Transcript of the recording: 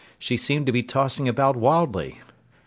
She seemed to be tossing about wildly.